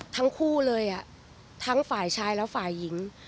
ทั้งคู่เลยทั้งฝ่ายชายและฝ่ายหญิง